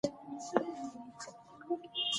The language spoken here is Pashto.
سپي چی لیوني سی خپل څښتن هم خوري .